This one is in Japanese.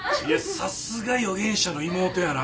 さすが予言者の妹やな。